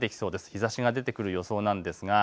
日ざしが出てくる予想です。